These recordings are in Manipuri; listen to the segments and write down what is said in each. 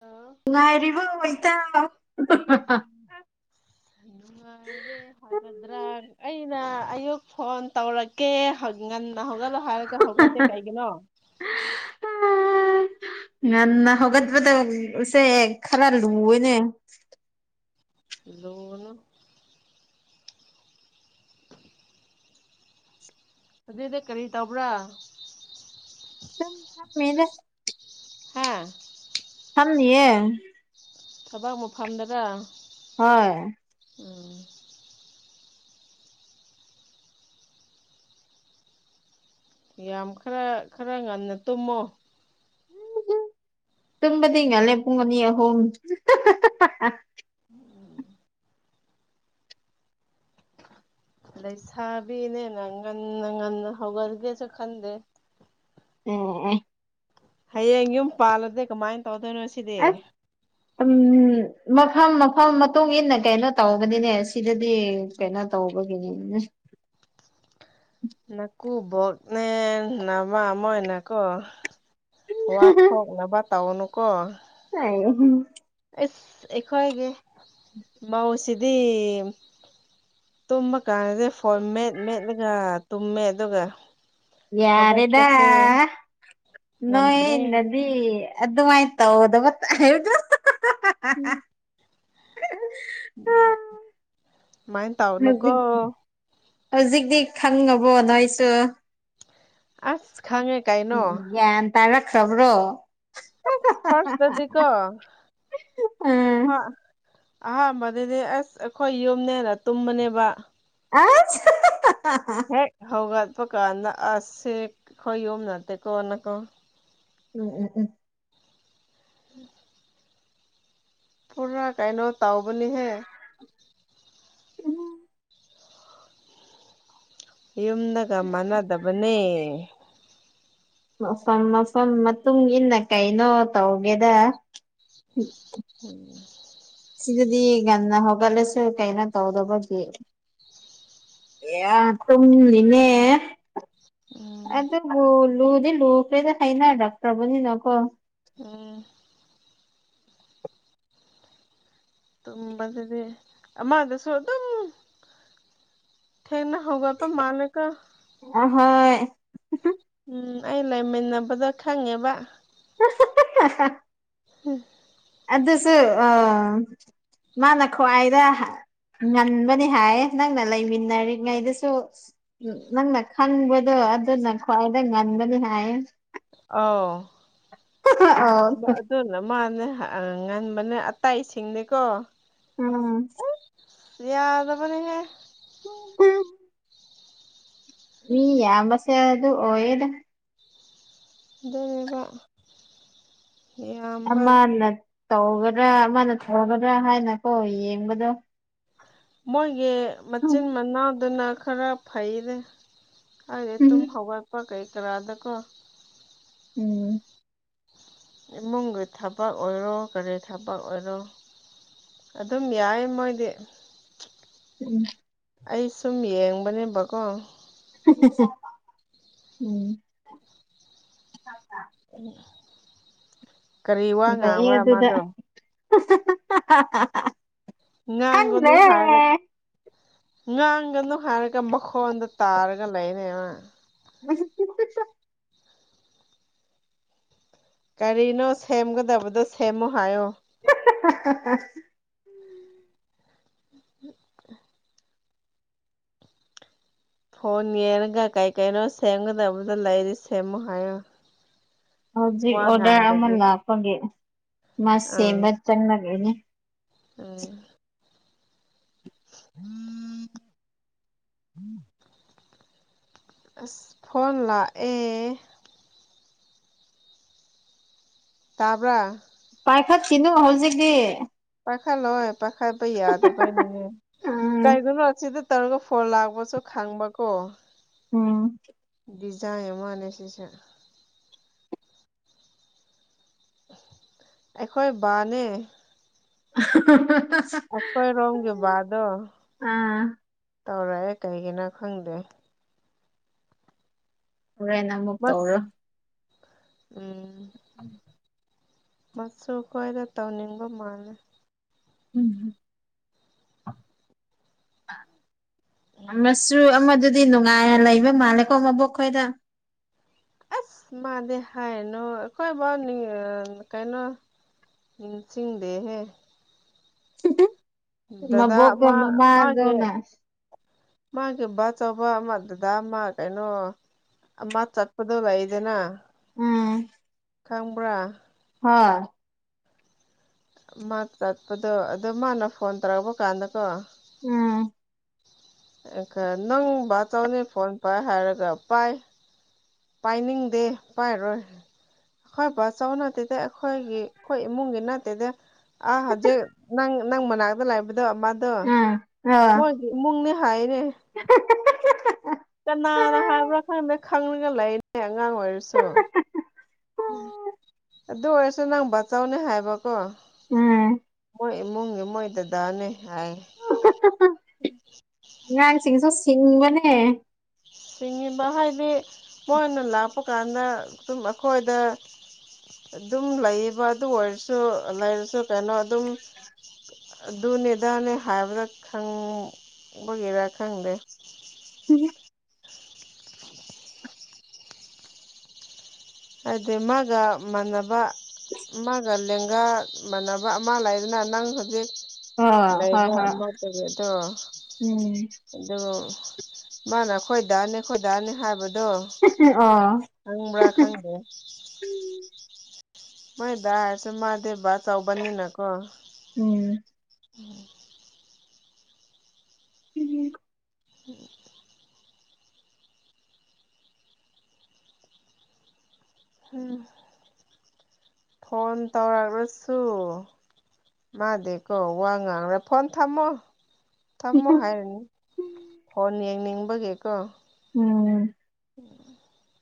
ꯑꯥ ꯅꯨꯡꯉꯥꯏꯔꯤꯕꯣ ꯏꯇꯥ ꯅꯨꯡꯉꯥꯏꯔꯦ ꯍꯥꯏꯒꯗ꯭ꯔꯥ ꯑꯩꯅ ꯑꯌꯨꯛ ꯐꯣꯟ ꯇꯧꯔꯛꯀꯦ ꯉꯟꯅ ꯍꯧꯒꯠꯂꯣ ꯍꯥꯏꯔꯒ ꯍꯧꯒꯠꯇꯦ ꯀꯩꯒꯤꯅꯣ ꯉꯟꯅ ꯍꯧꯒꯠꯄꯗꯁꯦ ꯈꯔ ꯂꯨꯋꯦꯅꯦ ꯂꯨꯒꯅꯨ ꯑꯗꯨꯏꯗꯤ ꯀꯔꯤ ꯇꯧꯕ꯭ꯔꯥ ꯁꯨꯝ ꯐꯝꯃꯦꯗꯥ ꯍꯥ ꯐꯝꯃꯤꯌꯦ ꯊꯕꯛ ꯃꯐꯝꯗꯔꯥ ꯍꯣꯏ ꯑꯣ ꯌꯥꯝ ꯈꯔ ꯈꯔ ꯉꯟꯅ ꯇꯨꯝꯃꯣ ꯇꯨꯝꯕꯗꯤ ꯉꯜꯂꯦ ꯄꯨꯡ ꯑꯅꯤ ꯑꯍꯨꯝ ꯂꯩꯁꯥꯕꯤꯅꯦꯅ ꯉꯟꯅ ꯉꯟꯅ ꯍꯧꯒꯠꯒꯦꯁꯨ ꯈꯟꯗꯦ ꯎꯝ ꯎꯝ ꯍꯌꯦꯡ ꯌꯨꯝ ꯄꯥꯜꯂꯗꯤ ꯀꯃꯥꯏ ꯇꯧꯗꯣꯏꯅꯣ ꯁꯤꯗꯤ ꯑꯁ ꯎꯝ ꯃꯐꯝ ꯃꯐꯝ ꯃꯇꯨꯡ ꯏꯟꯅ ꯀꯩꯅꯣ ꯇꯧꯕꯅꯤꯅꯦꯁ ꯁꯤꯗꯗꯤ ꯀꯩꯅꯣ ꯇꯧꯕꯒꯤꯅꯦ ꯅꯀꯨꯕꯣꯛꯅꯦ ꯅꯥꯃꯥ ꯃꯣꯏꯅꯀꯣ ꯋꯥ ꯊꯣꯛꯅꯕ ꯇꯧꯅꯨꯀꯣ ꯑꯥꯏ ꯏꯁ ꯑꯩꯈꯣꯏꯒꯤ ꯃꯧꯁꯤꯗꯤ ꯇꯨꯝꯕ ꯀꯥꯟꯗꯗꯤ ꯐꯣꯟ ꯃꯦꯠ ꯃꯦꯠꯂꯒ ꯇꯨꯝꯃꯦ ꯑꯗꯨꯒ ꯌꯥꯔꯦꯗ ꯍꯧꯒꯠꯄꯁꯦ ꯉꯝꯗ꯭ꯔꯦꯅ ꯅꯣꯏꯅꯗꯤ ꯑꯗꯨꯃꯥꯏꯅ ꯇꯧꯗꯕ ꯍꯥꯏꯔꯛꯀꯅꯨ ꯁꯨꯃꯥꯏꯅ ꯇꯧꯅꯨꯀꯣ ꯍꯧꯖꯤꯛ ꯍꯧꯖꯤꯛꯇꯤ ꯈꯪꯉꯕꯣ ꯅꯣꯏꯁꯨ ꯑꯁ ꯈꯪꯉꯦ ꯀꯩꯅꯣ ꯒ ꯭ꯌꯥꯟ ꯇꯥꯔꯛꯈ꯭ꯔꯕ꯭ꯔꯣ ꯑꯁ ꯐꯥꯔꯁꯗꯗꯤꯀꯣ ꯎꯝ ꯑꯍꯥꯟꯕꯗꯗꯤ ꯑꯁ ꯑꯩꯈꯣꯏ ꯌꯨꯝꯅꯦꯅ ꯇꯨꯝꯕꯅꯦꯕ ꯑꯁ ꯍꯦꯛ ꯍꯧꯒꯠꯄ ꯀꯥꯟꯗ ꯑꯁꯦ ꯈꯣꯏ ꯌꯨꯝ ꯅꯠꯇꯦꯀꯣꯅꯀꯣ ꯎꯝ ꯎꯝ ꯎꯝ ꯎꯝ [unintelligible] ꯄꯨꯔꯥ ꯀꯥꯏꯅꯣ ꯇꯥꯎꯕꯅꯤꯍꯦ ꯀꯅꯥ [unintelligible] ꯌꯨꯝꯗꯒ ꯃꯥꯟꯅꯗꯕꯅꯦ ꯃꯐꯝ ꯃꯐꯝ ꯃꯇꯨꯡ ꯏꯟꯅ ꯀꯩꯅꯣ ꯇꯧꯒꯦꯗ [unintelligible] ꯁꯤꯗꯗꯤ ꯉꯟꯅ ꯍꯧꯒꯠꯂꯁꯨ ꯀꯩꯅꯣ ꯇꯧꯗꯕꯒꯤ ꯑꯦꯌ ꯥ ꯇꯨꯝꯂꯤꯅꯦ ꯎꯝ ꯑꯗꯨꯕꯨ ꯂꯨꯗꯤ ꯂꯨꯈ꯭ꯔꯦꯗ ꯍꯩꯅ ꯔꯛꯇ꯭ꯔꯕꯅꯤꯅꯀꯣ ꯎꯝ ꯇꯨꯝꯕꯗꯗꯤ ꯑꯃꯥꯗꯁꯨ ꯑꯗꯨꯝ ꯊꯦꯡꯅ ꯍꯧꯒꯠꯄ ꯃꯥꯜꯂꯦꯀꯣ ꯑꯍꯣꯏ ꯎꯝ ꯑꯩ ꯂꯩꯃꯤꯟꯅꯕꯗ ꯈꯪꯉꯦꯕ [unintelligible] [unintelligible] ꯑꯗꯨꯁꯨ ꯑ ꯃꯥꯅ ꯈ꯭ꯋꯥꯏꯗ ꯉꯟꯕꯅꯤ ꯍꯥꯏꯌꯦ ꯅꯪꯅ ꯂꯩꯃꯤꯟꯅꯔꯤꯉꯩꯗꯁꯨ ꯅꯪꯅ ꯈꯪꯕꯗꯨ ꯑꯗꯨꯅ ꯈ꯭ꯋꯥꯏꯗ ꯉꯟꯒꯅꯤ ꯍꯥꯏꯌꯦ ꯑꯥꯎ ꯑꯣ [unintelligible] ꯑꯗꯨ ꯅ ꯃꯥꯟꯅꯦ ꯑ ꯉꯟꯕꯅꯦ ꯑꯠꯇꯩꯁꯤꯡꯗꯤꯀꯣ ꯎꯝ ꯌꯥꯗꯕꯅꯤꯍꯦ [unintelligible] ꯃꯤ ꯌꯥꯝꯕꯁꯦ ꯑꯗꯨ ꯑꯣꯏꯌꯦꯗ ꯑꯗꯨꯅꯦꯕ ꯌꯥꯝꯕ ꯑꯃꯅ ꯇꯧꯒꯗ꯭ꯔꯥ ꯑꯃꯅ ꯇꯧꯒꯗ꯭ꯔꯥ ꯍꯥꯏꯅꯀꯣ ꯌꯦꯡꯕꯗꯣ ꯃꯣꯏꯒꯤ ꯎꯝ ꯃꯆꯤꯟ ꯃꯅꯥꯎꯗꯨꯅ ꯈꯔ ꯐꯩꯅꯦ ꯈꯪꯗꯦ ꯇꯨꯝ ꯍꯧꯒꯠꯄꯥ ꯀꯩ ꯀ꯭ꯔꯥ ꯗꯀꯣ ꯎꯝ ꯏꯃꯨꯡꯒꯤ ꯊꯕꯛ ꯑꯣꯏꯔꯣ ꯀꯔꯤ ꯊꯕꯛ ꯑꯣꯏꯔꯣ ꯑꯗꯨꯝ ꯌꯥꯏꯌꯦ ꯃꯣꯏꯗꯤ [unintelligible] ꯑꯩ ꯁꯨꯝ ꯌꯦꯡꯕꯅꯦꯕ ꯀꯣ [unintelligible] ꯀꯔꯤ ꯋꯥ ꯂꯩꯌꯦ ꯉꯥꯡꯕ꯭ꯔ ꯑꯗꯨꯗ ꯃꯥꯗꯣ [unintelligible] ꯈꯪꯗ꯭ꯔꯦ ꯉꯥꯡꯒꯅꯨ ꯍꯥꯏꯔꯒ ꯉꯥꯡꯒꯅꯨ ꯍꯥꯏꯔꯒ ꯃꯈꯣꯟꯗꯣ ꯇꯥꯔꯒ ꯂꯩꯔꯦ ꯃꯥ [unintelligible] ꯀꯔꯤꯅꯣ ꯁꯦꯝꯒꯗꯕꯗꯣ ꯁꯦꯝꯃꯨ ꯍꯥꯏꯌꯣ [unintelligible] [inaudible] ꯐꯣꯟ ꯌꯦꯡꯉꯒ ꯀꯩ ꯀꯩꯅꯣ ꯁꯦꯝꯒꯗꯕꯗꯣ ꯂꯩꯔꯗꯤ ꯁꯦꯝꯃꯨ ꯍꯥꯏꯌꯣ ꯍꯧꯖꯤꯛ ꯋꯥ ꯑꯣꯗꯔ ꯑꯃ ꯉꯥꯡꯗꯕꯤ ꯂꯥꯛꯄꯒꯤ ꯃꯥ ꯑꯥ ꯁꯦꯝꯕ ꯆꯪꯉꯒꯤꯅꯦ ꯎꯝ [unintelligible] ꯑꯁ ꯐꯣꯟ ꯂꯥ ꯑꯦ ꯇꯕ꯭ꯔꯥ ꯄꯥꯏ ꯈꯠꯈꯤꯅꯨ ꯍꯧꯖꯤꯛꯗꯤ ꯄꯥꯏꯈꯠꯂꯣꯏ ꯄꯥꯏꯈꯠꯄ ꯌꯥꯗꯕꯩꯅꯤꯅꯦ ꯎꯝ ꯀꯩꯒꯤꯅꯣ ꯑꯁꯤꯗ ꯇꯧꯔꯒ ꯐꯣꯟ ꯂꯥꯛ ꯄꯣꯠꯁꯨ ꯈꯪꯕ ꯀꯣ ꯎꯝ ꯗꯤꯖꯥꯏꯟ ꯑꯃꯥꯅꯦꯁꯤꯁꯦ ꯑꯩꯈꯣꯏ ꯕꯥ ꯅꯦ [unintelligible] ꯑꯩꯈꯣꯏꯔꯣꯝꯒꯤ ꯕꯥ ꯗꯣ ꯑꯥ ꯇꯧꯔꯑꯦ ꯀꯩꯒꯤꯅꯣ ꯈꯪꯗꯦ ꯍꯣꯔꯦꯟ ꯅꯪ ꯃꯨꯛ ꯇꯧꯔꯣ ꯃꯁ ꯎꯝ [unintelligible] ꯃꯥꯁꯨ ꯈꯣꯏꯗ ꯇꯧꯅꯤꯡꯕ ꯃꯥꯜꯂꯦ ꯎꯝ [inaudible] ꯑꯃꯥꯁꯨ ꯑꯃꯥꯗꯨꯗꯤ ꯅꯨꯡꯉꯥꯏꯅ ꯂꯩꯕ ꯃꯥꯜꯂꯦꯀꯣ ꯃꯕꯣꯛ ꯈꯣꯏꯗ ꯑꯁ ꯃꯥꯗꯤ ꯍꯥꯏꯅꯣ ꯑꯈꯣꯏ ꯕꯥꯅꯤ ꯀꯩꯅꯣ ꯅꯤꯡꯁꯤꯡꯗꯦ ꯍꯦ ꯗꯗꯥ ꯃꯕꯣꯛꯀ ꯑꯃ ꯃꯃꯥꯒ ꯃꯥꯒꯤ ꯅ ꯃꯥꯒꯤ ꯕꯥꯆꯧꯕ ꯑꯃꯥ ꯗꯥꯗꯥ ꯑꯝꯃꯥ ꯀꯩꯅꯣ ꯑꯃꯥ ꯆꯠꯄꯗꯣ ꯂꯩꯗꯅ ꯎꯝ ꯈꯪꯕ꯭ꯔꯥ ꯍꯥ ꯑꯝꯃꯥ ꯀꯛꯄꯗꯣ ꯑꯗꯣ ꯃꯥꯅ ꯐꯣꯟ ꯇꯧꯔꯛꯄ ꯀꯥꯟꯗꯀꯣ ꯎꯝ ꯑ‌ꯦ ꯈ ꯅꯪ ꯕꯥꯆꯧꯅꯦ ꯐꯣꯟ ꯄꯥꯏ ꯍꯥꯏꯔꯒ ꯄꯥꯏ ꯄꯥꯏꯅꯤꯡꯗꯦ ꯄꯥꯏꯔꯣꯏ ꯈꯣꯏ ꯄꯥꯆꯧ ꯅꯠꯇꯦꯗ ꯑꯩꯈꯣꯏꯒꯤ ꯈꯣꯏ ꯏꯃꯨꯡꯒꯤ ꯅꯠꯇꯦꯗ ꯑꯥ ꯍꯖꯤꯛ ꯅꯪ ꯅꯪ ꯃꯅꯥꯛꯇ ꯂꯩꯕꯗꯣ ꯃꯥꯗꯣ ꯎꯝ ꯑ ꯃꯣꯏꯒꯤ ꯏꯃꯨꯡꯅꯦ ꯍꯥꯏꯔꯦ [unintelligible] ꯀꯅꯥꯅ ꯍꯥꯏꯕ꯭ꯔꯥ ꯈꯪꯗꯦ ꯈꯪꯉꯒ ꯂꯩꯅꯦ ꯑꯉꯥꯡ ꯑꯣꯏꯔꯁꯨ ꯑꯗꯨ ꯑꯣꯏꯔꯁꯨ ꯅꯪ ꯕꯥꯆꯧꯅꯦ ꯍꯥꯏꯕꯀꯣ ꯎꯝ ꯈ‌ꯣꯏ ꯏꯃꯨꯡꯒꯤ ꯃꯣꯏ ꯗꯥꯗꯥꯅꯦ ꯍꯥꯏ [unintelligible] ꯎꯝ [unintelligible] ꯑꯉꯥꯡꯁꯤꯡꯖꯨ ꯁꯤꯡꯕꯅꯦ ꯁꯤꯡꯉꯤꯕ ꯍꯥꯏꯗꯤ ꯃꯣꯏꯅ ꯂꯥꯛꯄ ꯀꯥꯟꯗ ꯁꯨꯝ ꯑꯈꯣꯏꯗ ꯑꯗꯨꯝ ꯂꯩꯌ‌ꯦꯕ ꯑꯗꯨ ꯑꯣꯏꯔꯁꯨ ꯂꯩꯔꯁꯨ ꯀꯩꯅꯣ ꯑꯗꯨꯝ ꯑꯗꯨꯅꯦ ꯑꯗꯥꯅꯦ ꯍꯥꯏꯕꯗ ꯈꯪ ꯕ ꯒꯤꯔꯥ ꯈꯪꯗꯦ [unintelligible] ꯍꯥꯏꯗꯤ ꯃꯥꯒ ꯃꯥꯟꯅꯕ ꯃꯥꯒ ꯂꯦꯡꯒꯥ ꯃꯥꯟꯅꯕ ꯑꯃꯥ ꯂꯩꯗꯅ ꯅꯪ ꯍꯧꯖꯤꯛ ꯑ ꯍꯣꯏ ꯂꯩꯕꯥ ꯍꯣꯏ ꯑꯃꯥ ꯇꯧꯕꯦꯗꯣ ꯎꯝ ꯑꯗꯨ ꯃꯥꯅ ꯑꯩꯈꯣꯏ ꯗꯥꯅꯤ ꯑꯩꯈꯣꯏ ꯗꯥꯅꯤ ꯍꯥꯏꯕꯗꯣ ꯑꯣ ꯈꯪꯕ꯭ꯔꯥ ꯈꯪꯗꯦ꯫ ꯃꯥꯏꯗ ꯍꯥꯏꯔꯁꯨ ꯃꯥꯗꯤꯕꯥ ꯆꯧꯕꯅꯤꯅꯀꯣ꯫ ꯎꯝ꯫ ꯎꯝ꯫ [unintelligible] [unintelligible] ꯎꯝ꯫ ꯐꯣꯟ ꯇꯧꯔꯛꯔꯁꯨ ꯃꯥꯗꯦꯀꯣ ꯋꯥ ꯉꯥꯡꯔ ꯐꯣꯟ ꯊꯝꯃꯣ꯫ ꯊꯝꯃꯣ ꯍꯥꯏꯔꯅꯤ ꯐꯣꯟ ꯌꯦꯡꯅꯤꯡꯕꯒꯤꯀꯣ꯫ ꯎꯝ [unintelligible]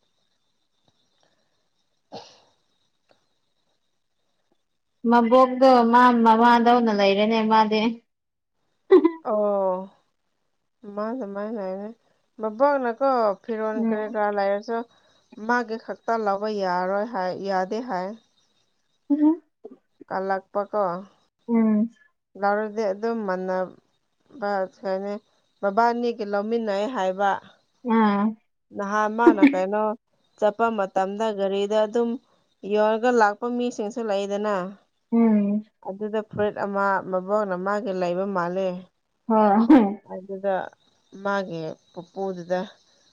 ꯃꯕꯣꯛꯗꯣ ꯃꯥ ꯃꯃꯥꯗꯧꯅ ꯂꯩꯔꯦꯅꯦ ꯃꯥꯗꯤ꯫ ꯑꯣ ꯃꯥꯗꯨꯃꯥꯥꯏ ꯂꯩꯕꯅꯦ ꯃꯕꯣꯛꯅ ꯀꯣ ꯐꯤꯔꯣꯟ ꯀꯔꯤ ꯎꯝ ꯀꯔꯥ ꯂꯩꯔꯖꯨ ꯃꯥꯒꯤ ꯈꯛꯇ ꯂꯧꯕ ꯌꯥꯔꯣꯏ ꯍꯥꯏ ꯌꯥꯗꯦ ꯍꯥꯏ꯫ [unintelligible] ꯀꯜꯂꯛꯄꯀꯣ꯫ ꯎꯝ꯫ ꯂꯧꯔꯗꯤ ꯑꯗꯨꯝ ꯃꯥꯟꯅ [unintelligible] ꯃꯕꯥꯅꯤꯒꯤ ꯂꯧꯃꯤꯟꯅꯩ ꯍꯥꯏꯕ꯫ ꯑꯥ꯫ ꯅꯍꯥꯟ ꯃꯥꯅ ꯀꯩꯅꯣ ꯆꯠꯄ ꯃꯇꯝꯗ ꯒꯥꯔꯤꯗ ꯑꯗꯨꯝ ꯌꯣꯔꯒ ꯂꯥꯛꯄ ꯃꯤꯁꯤꯡꯁꯨ ꯂꯩꯗꯅ꯫ ꯎꯝ ꯑꯗꯨꯗ ꯐꯨꯔꯤꯠ ꯑꯃ ꯃꯕꯣꯛꯅ ꯃꯥꯒꯤ ꯂꯩꯕ ꯃꯥꯜꯂꯦ꯫ ꯍꯣꯏ꯫ [unintelligible] ꯑꯗꯨꯗ ꯃꯥꯒꯤ ꯄꯨꯄꯨꯗꯨꯗ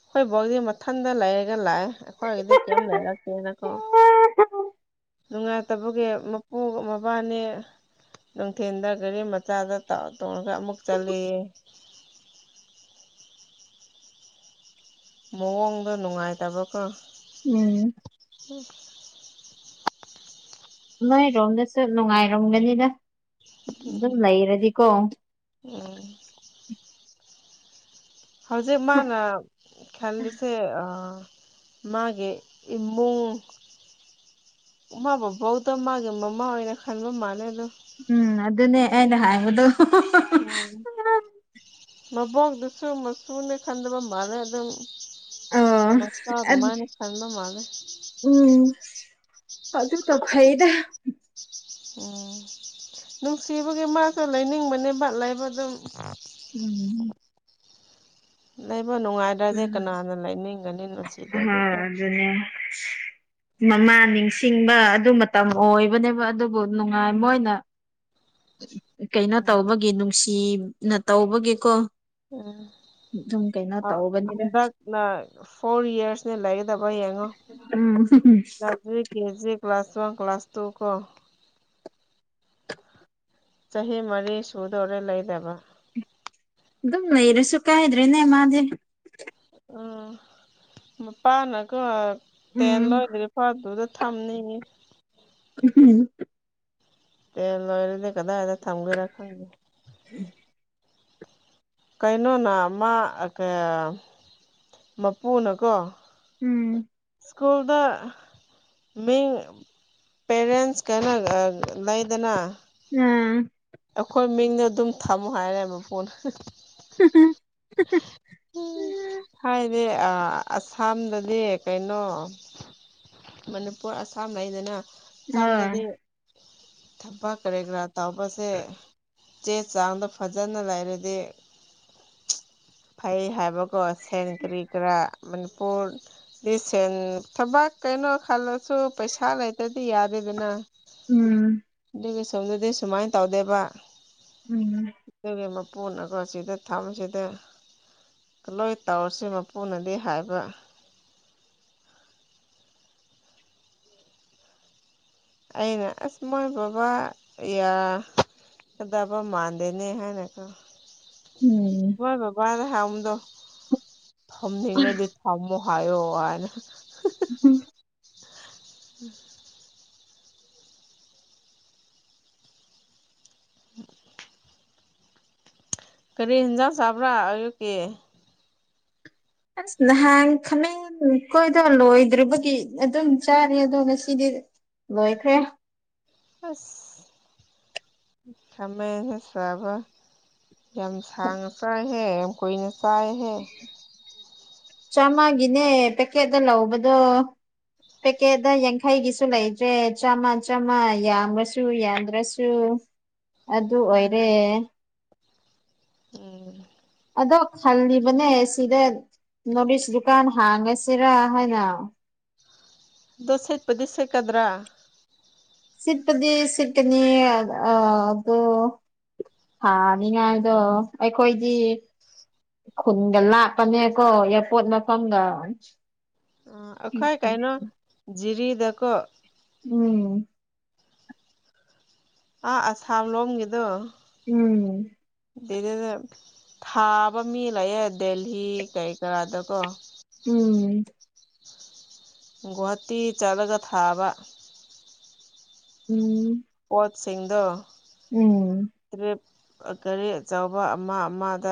ꯑꯈꯣꯏ ꯕꫭꯛꯗꯤ ꯃꯊꯟꯗ ꯂꯩꯔꯒ ꯂꯥꯛꯑꯦ ꯑꯈꯣꯏꯒꯤꯗꯤ ꯀꯩꯝ ꯂꯩꯔꯛꯇꯦꯅꯀꯣ꯫ ꯅꯨꯡꯉꯥꯏꯇꯕꯒꯤ ꯃꯄꯨꯒ ꯃꯕꯥꯅꯤ ꯅꯨꯡꯊꯤꯟꯗ ꯒꯥꯔꯤ ꯃꯆꯥꯗ ꯇꯧꯔ ꯇꯣꯡꯉꯒ ꯑꯃꯨꯛ ꯆꯠꯂꯦꯌꯦ꯫ ꯃꯋꯣꯡꯗꯣ ꯅꯨꯡꯉꯥꯏꯇꯕꯀꯣ꯫ ꯎꯝ꯫ [unintelligible] ꯅꯣꯏꯔꯣꯝꯗꯁꯨ ꯅꯨꯡꯉꯥꯏꯔꯝꯒꯅꯤꯗ ꯗꯨ ꯎꯝ ꯂꯩꯔꯗꯤꯀꯣ꯫ ꯎꯝ꯫ ꯍꯧꯖꯤꯛ ꯃꯥꯅ ꯈꯜꯂꯤꯁꯦ ꯑꯥ ꯃꯥꯒꯤ ꯏꯃꯨꯡ ꯃꯥꯥ ꯕꯣꯕꯣꯛꯇꯣ ꯃꯥꯒꯤ ꯃꯃꯥ ꯑꯣꯏꯅ ꯈꯟꯕ ꯃꯥꯜꯂꯦ ꯑꯗꯣ꯫ ꯎꯝ ꯑꯗꯨꯅꯦ ꯑꯩꯅ ꯍꯥꯏꯕꯗꯣ꯫ [unintelligible] ꯎꯝ ꯃꯕꯣꯛꯗꯨꯁꯨ ꯃꯁꯨꯅꯦ ꯈꯟꯗꯕ ꯃꯥꯜꯂꯦ ꯑꯗꯨꯝ ꯑꯣ [unintelligible] ꯃꯆꯥ ꯑꯗ ꯑꯗꯨꯃꯥꯏꯅ ꯈꯟꯕ ꯃꯥꯜꯂꯦ꯫ ꯎꯝ ꯑꯗꯨꯒ ꯐꯩꯗ꯫ [unintelligible] ꯎꯝ ꯅꯨꯡꯁꯤꯕꯒꯤ ꯃꯥꯁꯨ ꯂꯩꯅꯤꯡꯕꯅꯦꯕ ꯂꯩꯕ ꯑꯗꯨꯝ꯫ ꯎꯝ꯫ ꯂꯩꯕ ꯅꯨꯡꯉꯥꯏꯗ꯭ꯔꯗꯤ ꯀꯅꯥꯅ ꯂꯩꯅꯤꯡꯒꯅꯤ ꯍ ꯅꯨꯡꯁꯤꯗ꯭ꯔꯗꯤꯀꯣ꯫ ꯑꯗꯨꯅꯦ꯫ [unintelligible] ꯃꯃꯥ ꯅꯤꯡꯁꯤꯡꯕ ꯑꯗꯨ ꯃꯇꯝ ꯑꯣꯢꯕꯅꯦꯕ ꯑꯗꯨꯕꯨ ꯅꯨꯡꯉꯥꯢ ꯃꯣꯢꯅ ꯀꯩꯅꯣ ꯎꯝ ꯇꯧꯕꯒꯤ ꯅꯨꯡꯁꯤꯅ ꯇꯧꯕꯒꯤꯀꯣ [inaudible] ꯑꯗꯨꯝ ꯀꯩꯅꯣ ꯑꯥ ꯇꯧꯕꯅꯤꯗ ꯍꯟꯗꯛꯅ ꯐꯣꯔ ꯏꯌꯥꯔꯁꯅꯦ ꯂꯩꯒꯗꯕ ꯌꯦꯡꯉꯣ [unintelligible] ꯅꯖꯔꯤ ꯀꯦꯖꯤ ꯀ꯭ꯂꯥꯁ ꯇꯨꯋꯦꯜꯐ ꯀ꯭ꯂꯥꯁ ꯇꯨ ꯀꯣ ꯆꯍꯤ ꯃꯔꯤ ꯁꯨꯗꯧꯔꯦ ꯂꯩꯗꯕ ꯑꯗꯨꯝ ꯂꯩꯔꯁꯨ ꯀꯥꯢꯗ꯭ꯔꯦ ꯅꯦ ꯃꯥꯗꯤ ꯎꯝ ꯃꯄꯥꯥꯅꯀꯣ ꯇꯦꯟ ꯎꯝ ꯂꯣꯢꯗ꯭ꯔꯤ ꯐꯥꯎ ꯑꯗꯨꯗ ꯊꯝꯅꯤꯌꯦ [unintelligible] ꯇꯦꯜ ꯂꯣꯢꯔꯗꯤ ꯀꯗꯥꯢꯗ ꯊꯝꯒꯦꯔ ꯈꯪꯗꯦ [inaudible] ꯀꯩꯅꯣꯅ ꯃꯥ ꯑꯀꯥꯌꯥ ꯃꯄꯨꯅꯀꯣ ꯎꯝ ꯁ꯭ꯀꯨꯜꯗ ꯃꯤꯡ ꯄꯦꯔꯦꯟꯁ ꯀꯩꯅ ꯑꯥ ꯂꯩꯗꯅ ꯎꯝ ꯑꯩꯈꯣꯢ ꯃꯤꯡꯗ ꯑꯗꯨꯝ ꯊꯝꯃꯣ ꯍꯥꯢꯔꯦ ꯃꯄꯨꯅ ꯎꯝ ꯍꯥꯢꯗꯤ ꯑꯥ ꯑꯁꯥꯝꯗꯗꯤ ꯀꯩꯅꯣ ꯃꯅꯤꯄꯨꯔ ꯑꯁꯥꯝ ꯂꯩꯗꯅ ꯍꯣꯏ ꯁꯥꯝꯗꯗꯤ ꯊꯕꯛ ꯀꯔꯤ ꯀꯔꯥ ꯇꯧꯕꯁꯦ ꯆꯦ ꯆꯥꯡꯗꯣ ꯐꯖꯅ ꯂꯩꯔꯗꯤ ꯐꯩ ꯍꯥꯢꯕꯀꯣ ꯁꯦꯟ ꯀꯔꯤ ꯀꯔꯥ ꯃꯅꯤꯄꯨꯔ ꯗꯤ ꯁꯦꯟ ꯊꯕꯛ ꯀꯩꯅꯣ ꯈꯜꯂꯁꯨ ꯄꯩꯁꯥ ꯂꯩꯇ꯭ꯔꯗꯤ ꯌꯥꯗꯦꯗꯅ ꯎꯝ ꯃꯤꯒꯤ ꯁꯣꯝꯗꯗꯤ ꯁꯨꯃꯥꯢꯅ ꯇꯧꯗꯦꯕ ꯎꯝ ꯑꯗꯨꯒꯤ ꯃꯄꯨꯅꯀꯣ ꯁꯤꯗ ꯊꯝꯕꯁꯤꯗ ꯂꯣꯢ ꯇꯧꯔꯁꯤ ꯃꯄꯨꯅꯗꯤ ꯍꯥꯢꯕ ꯑꯩꯅ ꯑꯁ ꯃꯣꯏ ꯕꯕꯥ ꯏꯌꯥꯔꯥ ꯎꯝ [unintelligible] ꯊꯝꯅꯤꯡꯔꯗꯤ ꯊꯝꯃꯣ ꯍꯥꯢꯌꯣ ꯍꯥꯢꯅ ꯎꯍꯨꯝ [inaudible] [inaudible] ꯀꯔꯤ ꯍꯦꯟꯖꯥꯡ ꯆꯥꯕ꯭ꯔꯥ ꯑꯌꯨꯛꯀꯤ ꯑꯁ ꯅꯍꯥꯟ ꯈꯃꯦꯡ ꯑꯈꯣꯢꯗꯣ ꯂꯣꯢꯗ꯭ꯔꯤꯕꯒꯤ ꯑꯗꯨꯝ ꯆꯥꯔꯤ ꯑꯗꯣ ꯉꯁꯤꯗꯤ ꯂꯣꯢꯈ꯭ꯔꯦ ꯑꯁ ꯈꯃꯦꯟꯖꯨ ꯆꯥꯕ ꯌꯥꯝ ꯁꯥꯡꯅ ꯄꯢꯍꯦ ꯌꯥꯝ ꯀꯨꯢꯅ ꯆꯥꯢꯍꯦ ꯆꯥꯝꯃꯒꯤꯅꯦ ꯄꯦꯛꯀꯦꯠꯇ ꯂꯧꯕꯗꯣ ꯄꯦꯀꯦꯠꯇ ꯌꯥꯡꯈꯩꯒꯤꯁꯨ ꯂꯩꯇ꯭ꯔꯦ ꯆꯥꯝꯃ ꯆꯥꯝꯃ ꯌꯥꯝꯔꯁꯨ ꯌꯥꯝꯗ꯭ꯔꯁꯨ ꯑꯗꯨ ꯑꯗꯨꯑꯣꯢꯔꯦ ꯎꯝ ꯑꯗꯣ ꯈꯜꯂꯤꯕꯅꯦ ꯁꯤꯗ ꯅꯣꯠꯏꯁ ꯗꯨꯀꯥꯟ ꯍꯥꯡꯉꯁꯤꯔ ꯍꯥꯢꯅ ꯑꯗꯣ ꯁꯤꯠꯄꯗꯤ ꯁꯤꯠꯀꯗ꯭ꯔ ꯁꯤꯠꯄꯗꯤ ꯁꯤꯠꯀꯅꯤꯌꯦ ꯑꯥ ꯑꯗꯣ ꯊꯥ ꯅꯤꯡꯉꯥꯏꯗꯣ ꯑꯩꯈꯣꯏꯗꯤ ꯈꯨꯟꯒ ꯂꯥꯞꯄꯅꯦꯀꯣ ꯑꯦꯌꯔꯄꯣꯠ ꯃꯐꯝꯒ ꯑꯥ ꯑꯈꯣꯏ ꯀꯪꯅꯣ ꯖꯤꯔꯤꯗꯀꯣ ꯎꯝ ꯑꯥ ꯑꯁꯥꯝ ꯂꯣꯝꯒꯤꯗꯣ ꯎꯝ ꯑꯗꯩꯗꯗꯥ ꯊꯥꯕ ꯃꯤ ꯂꯩꯌꯦ ꯗꯦꯜꯂꯤ ꯀꯩ ꯀꯥꯗꯀꯣ ꯎꯝ ꯒꯨꯍꯥꯇꯤ ꯆꯠꯂꯒ ꯊꯥꯕ ꯎꯝ ꯄꯣꯠꯁꯤꯡꯗꯣ ꯎꯝ ꯔꯤꯞ ꯒꯥꯔꯤ ꯑꯆꯧꯕ ꯑꯃ ꯑꯃꯗ